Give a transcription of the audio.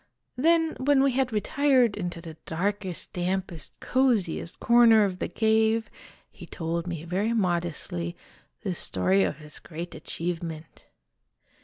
Then, when we had retired into the darkest, dampest, coziest corner of the cave, he told me very modestly the story of his great achievement.